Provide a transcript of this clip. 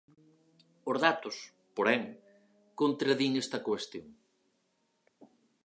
Os datos, porén, contradín esta cuestión.